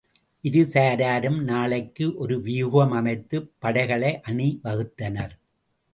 இரு சாராரும் நாளைக்கு ஒரு வியூகம் அமைத்துப் படைகளை அணி வகுத்தனர்.